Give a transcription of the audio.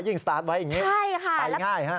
สตาร์ทไว้อย่างนี้ใช่ค่ะไปง่ายฮะ